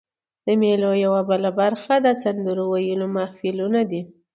د مېلو یوه بله مهمه برخه د سندرو ویلو محفلونه دي.